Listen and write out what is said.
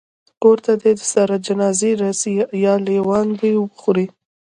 کور ته دي سره جنازه راسي یا لېوان دي وخوري